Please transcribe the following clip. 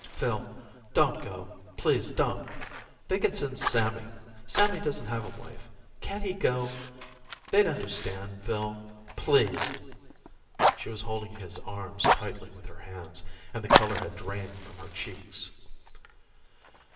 "Phil, don't go. Please don't. They can send Sammy. Sammy doesn't have a wife. Can't he go? They'd understand, Phil. Please!" She was holding his arms tightly with her hands, and the color had drained from her cheeks.